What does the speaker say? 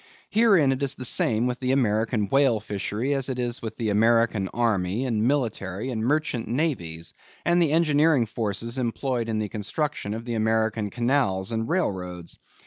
Herein it is the same with the American whale fishery as with the American army and military and merchant navies, and the engineering forces employed in the construction of the American Canals and Railroads.